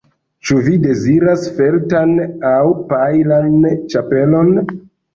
Ĉu vi deziras feltan aŭ pajlan ĉapelon?